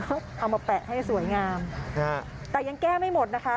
เขาเอามาแปะให้สวยงามแต่ยังแก้ไม่หมดนะคะ